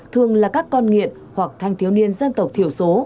thường là các con nghiện hoặc thanh thiếu niên dân tộc thiểu số